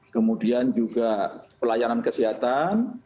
kemudian juga pelayanan kesehatan